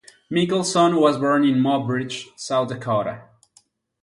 Mickelson was born in Mobridge, South Dakota.